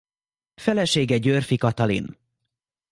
Felesége Győrffy Katalin.